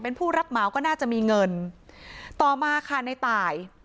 เป็นผู้รับเหมาก็น่าจะมีเงินต่อมาค่ะในตาย